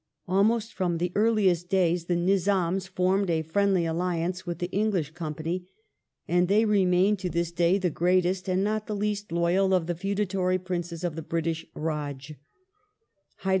Almost from the earliest days the Nizdms formed a friendly alliance with the English Company, and they remain to this day the gi eatestand not the least loyal of the feudatory Princes of the British Raj.